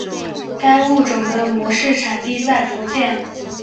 该物种的模式产地在福建。